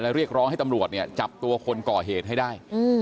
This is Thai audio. และเรียกร้องให้ตำรวจเนี่ยจับตัวคนก่อเหตุให้ได้